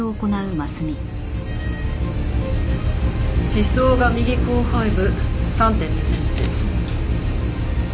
刺創が右後背部３．２センチ。